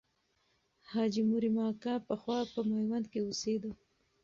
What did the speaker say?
حاجي مریم اکا پخوا په میوند کې اوسېده.